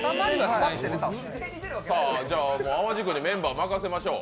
淡路君にメンバー任せましょう。